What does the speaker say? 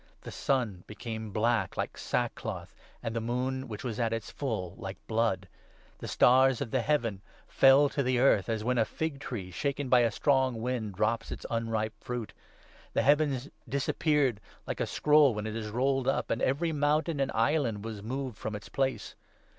The sun became black, like sack cloth, and the moon, which was at its full, like blood. ' The 13 stars of the heavens fell ' to the earth, as when a fig tree, shaken by a strong wind, drops its unripe fruit. The heavens 14 disappeared like a scroll when it is rolled up, and every moun tain and island was moved from its place.